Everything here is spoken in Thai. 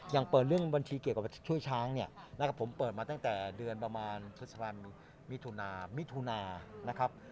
อย่างเปิดเรื่องบัญชีเกี่ยวกับช่วยช้างเนี่ยนะครับผมเปิดมาตั้งแต่เดือนประมาณเทศบาลมิถุนามิถุนานะครับ